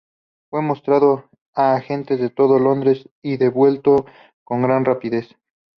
Fue mostrado a agentes de todo Londres y devuelto con gran rapidez.